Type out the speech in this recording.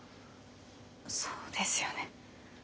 そうですよね。